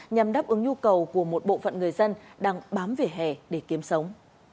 nhằm đáp ứng nhu cầu của một bộ phận người dân đang bám về hè để kiếm sống